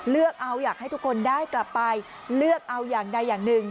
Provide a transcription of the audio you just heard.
เลือกเอาอยากให้ทุกคนได้กลับไปเลือกเอาอย่างใดอย่างหนึ่ง